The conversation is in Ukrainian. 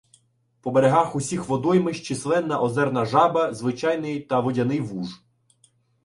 По берегах усіх водоймищ численна озерна жаба, звичайний та водяний вуж.